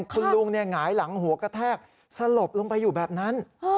คุณลุงหงายหลังหัวกระแทกสลบลงไปอยู่แบบนั้น